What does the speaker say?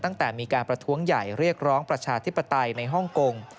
ตั้งแต่มีการประท้วงใหญ่เรียกร้องประชาธิปไตยในฮ่องกง